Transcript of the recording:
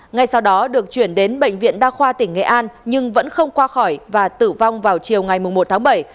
ngay sau đó được chuyển đến bệnh viện đa khoa tỉnh nghệ an nhưng vẫn không qua khỏi và tử vong vào chiều ngày một tháng bảy